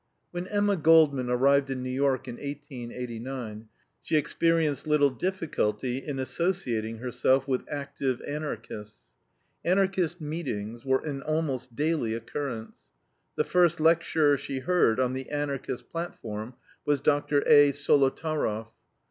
When Emma Goldman arrived in New York in 1889, she experienced little difficulty in associating herself with active Anarchists. Anarchist meetings were an almost daily occurrence. The first lecturer she heard on the Anarchist platform was Dr. A. Solotaroff.